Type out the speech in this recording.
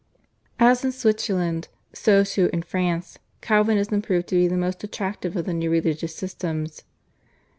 As in Switzerland, so too in France Calvinism proved to be the most attractive of the new religious systems.